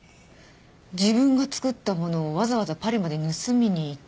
自分が作ったものをわざわざパリまで盗みに行った。